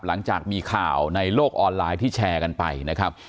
หลังจากมีข่าวในโลกออนไลน์ที่แชร์กันไปนะครับ